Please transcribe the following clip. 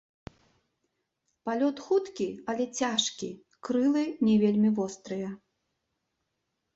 Палёт хуткі, але цяжкі, крылы не вельмі вострыя.